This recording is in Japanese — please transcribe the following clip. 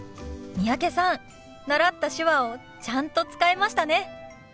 三宅さん習った手話をちゃんと使えましたね。